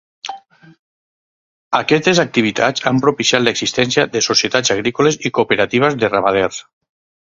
Aquestes activitats han propiciat l'existència de societats agrícoles i cooperatives de ramaders.